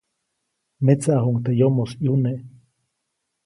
Metsaʼajuʼuŋ teʼ yomoʼis ʼyune.